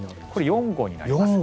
５号になります。